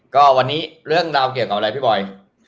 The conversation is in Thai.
ก็วันนี้เรื่องราวเกี่ยวกับอะไรพี่บอย